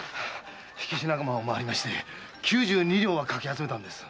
火消し仲間を廻りまして九十二両はかき集めたんです。